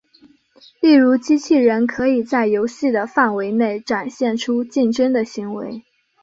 例如机器人可以在游戏的范围内展现出竞争的行为。